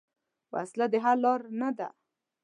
وسله د حل لار نه ده